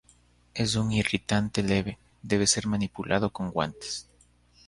Es un irritante leve, debe ser manipulado con guantes.